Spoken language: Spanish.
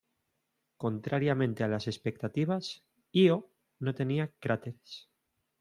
Contrariamente a las expectativas, Ío no tenía cráteres.